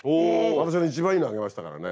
私の一番いいのあげましたからね。